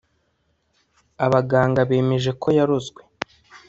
abaganga bemeje ko yarozwe